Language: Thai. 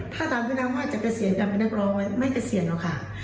ถ้าตามพี่นางว่าจากเกษียณกลับเป็นนักร้องไว้ไม่เกษียณหรอกค่ะ